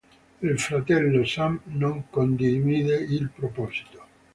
Il fratello Sam non condivide il proposito.